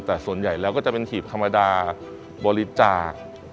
แต่ส่วนใหญ่แล้วก็จะเป็นหีบธรรมดาบริจาค